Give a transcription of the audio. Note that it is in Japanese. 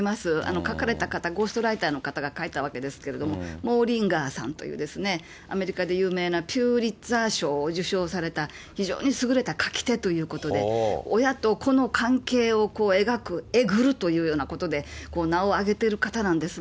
書かれた方、ゴーストライターの方が書いたわけですけれども、モーリンガーさんというアメリカで有名なピューリッツアー賞を受賞された、非常に優れた書き手ということで、親と子の関係を描く、えぐるというようなことで名を挙げている方なんですね。